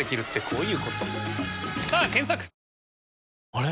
あれ？